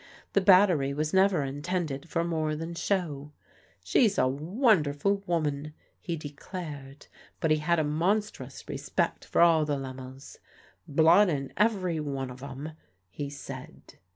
The battery was never intended for more than show. "She's a wonderful woman," he declared; but he had a monstrous respect for all the Lemals. "Blood in every one of 'em," he said.